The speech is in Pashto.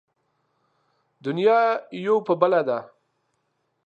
دنيا يو په بله ده.